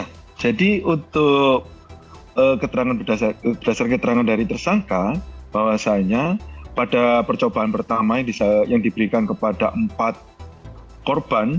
ya jadi untuk keterangan berdasarkan keterangan dari tersangka bahwasannya pada percobaan pertama yang diberikan kepada empat korban